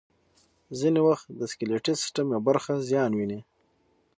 ځینې وخت د سکلیټي سیستم یوه برخه زیان ویني.